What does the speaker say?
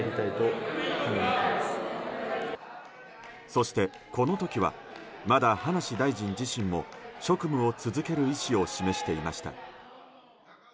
そして、この時はまだ葉梨大臣自身も職務を続ける意思を示していました。